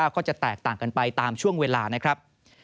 ก็จะแตกต่างกันไปตามช่วงเวลานะครับ